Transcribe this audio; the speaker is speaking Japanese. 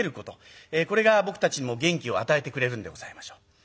これが僕たちにも元気を与えてくれるんでございましょう。